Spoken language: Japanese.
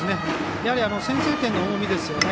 やはり先制点の重みですよね。